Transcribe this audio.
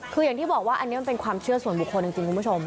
คืออย่างที่บอกว่าอันนี้มันเป็นความเชื่อส่วนบุคคลจริงคุณผู้ชม